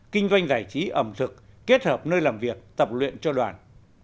kinh doanh giải trí ẩm thực kết hợp nơi làm việc tập luyện cho đoàn